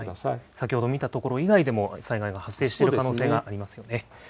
先ほど見たところ以外でも災害が発生している可能性がありますよね。